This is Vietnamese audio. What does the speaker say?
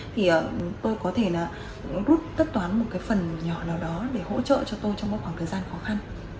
thì tôi có thể là rút tất toán một cái phần nhỏ nào đó để hỗ trợ cho tôi trong một khoảng thời gian khó khăn